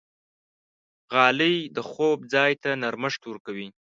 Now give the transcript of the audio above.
غالۍ د خوب ځای ته نرمښت ورکوي.